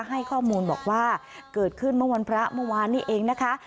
ให้ข้อมูลบอกว่าเกิดขึ้นเมื่อวันพระเมื่อวานนี้เองนะคะ